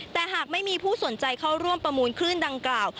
แต่หากไม่มีผู้สนใจเข้าร่วมประมูลคลื่นดังกล่าว